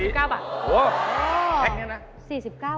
โอ้โฮแพ็คเนี่ยนะ